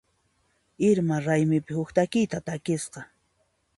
Irma raymipi huk takiyta takisqa.